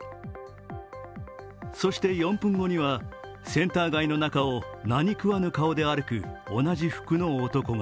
そして４分後にはセンター街の中を何食わぬ顔で歩く同じ服の男が。